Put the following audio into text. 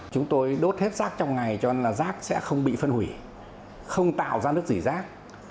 chúng tôi đốt hết rác trong ngày cho nên là rác sẽ không bị phân hủy không tạo ra nước dỉ rác